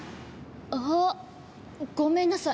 あっ、ごめんなさい。